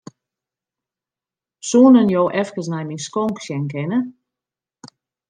Soenen jo efkes nei myn skonk sjen kinne?